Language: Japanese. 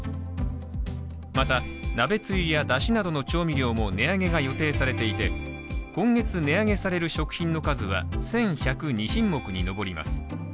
また、鍋つゆやだしなどの調味料も値上げが予定されていて、今月値上げされる食品の数は１１０２品目に上ります。